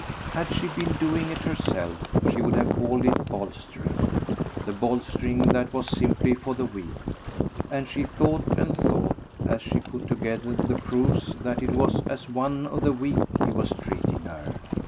Had she been doing it herself she would have called it bolstering the bolstering that was simply for the weak; and she thought and thought as she put together the proofs that it was as one of the weak he was treating her.